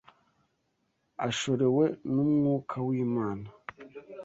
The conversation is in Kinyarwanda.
Ashorewe n’Umwuka w’Imana